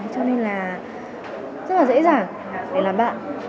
cho nên là rất là dễ dàng để làm bạn